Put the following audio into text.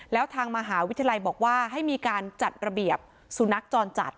แล้วทางมหาวิทยาลัยบอกว่าให้มีการจัดระเบียบสุนัขจรจัด